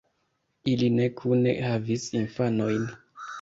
Ili ne kune havis infanojn.